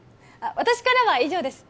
私からは以上です